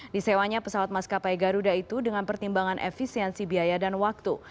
disewanya pesawat maskapai garuda itu dengan pertimbangan efisiensi biaya dan waktu